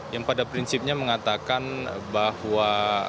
yang pada prinsipnya mengatakan bahwa